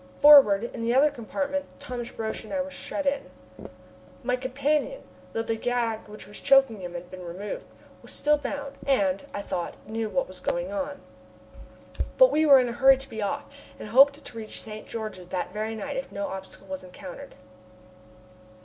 Forward, in the other compartment, Thomas Roch and I were shut in. My companion, though the gag which was choking him had been removed, was still bound, and, I thought, knew what was going on. But we were in a hurry to be off, and hoped to reach St. George that very night if no obstacle was encountered.